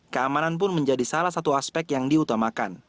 keamanan pun menjadi salah satu aspek yang diutamakan